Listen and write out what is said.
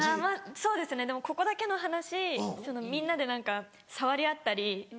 そうですねでもここだけの話みんなで何か触り合ったり。